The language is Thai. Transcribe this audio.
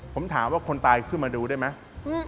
ผมถามว่าคนตายขึ้นมาดูได้ไหม